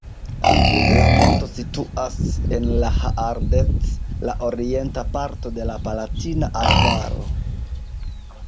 La monto situas en la Haardt, la orienta parto de la Palatinata arbaro.